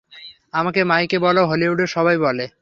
আমাকে মাইকে বলো, হলিউডের সবাই বলে।